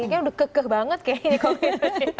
kayaknya udah kekeh banget kayaknya covid